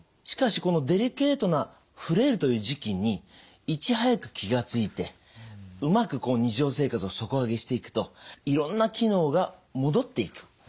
しかしこのデリケートなフレイルという時期にいち早く気が付いてうまく日常生活を底上げしていくといろんな機能が戻っていく。